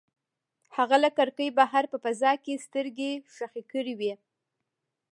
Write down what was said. هغه له کړکۍ بهر په فضا کې سترګې ښخې کړې وې.